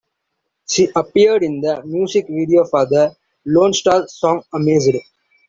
She appeared in the music video for the Lonestar song Amazed.